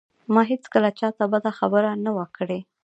ما هېڅکله چاته بده خبره نه وه کړې